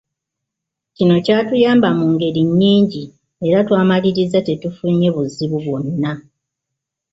Kino kyatuyamba mu ngeri nyingi era twamaliriza tetufunye buzibu bwonna.